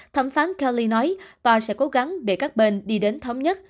thẩm phán kelly nói tòa sẽ cố gắng để các bên đi đến thống nhất